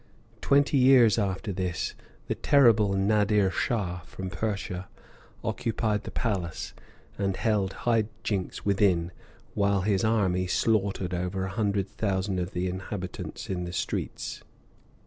Twenty years after this, the terrible Nadir Shah, from Persia, occupied the palace, and held high jinks within while his army slaughtered over a hundred thousand of the inhabitants in the streets.